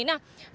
nah selain itu